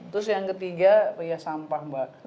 terus yang ketiga ya sampah mbak